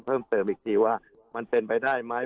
เพิ่มเติมอีกทีว่ามันเป็นไปได้ไหม